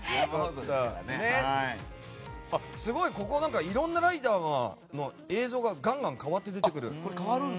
すごいいろんなライダーの映像がガンガン変わって出てきた。